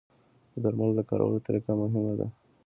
د درملو د کارولو طریقه مهمه ده.